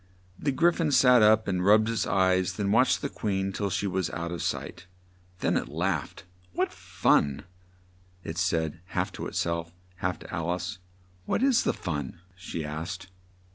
The Gry phon sat up and rubbed its eyes; then watched the Queen till she was out of sight; then it laughed. "What fun!" it said, half to it self, half to Alice. "What is the fun?" she asked.